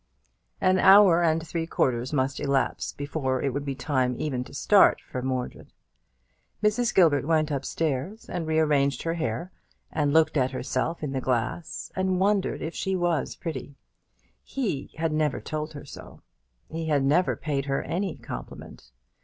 An hour and three quarters must elapse before it would be time even to start for Mordred. Mrs. Gilbert went up stairs and rearranged her hair, and looked at herself in the glass, and wondered if she was pretty. He had never told her so. He had never paid her any compliment.